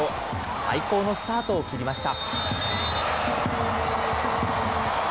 最高のスタートを切りました。